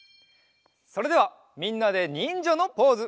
それではみんなでにんじゃのポーズ。